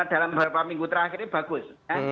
dalam beberapa minggu terakhir ini bagus